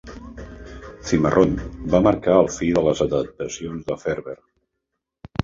"Cimarron" va marcar el fi de les adaptacions de Ferber.